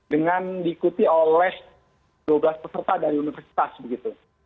dengan diikuti oleh dua belas peserta dari universitas begitu